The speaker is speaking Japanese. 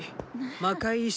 魔界一周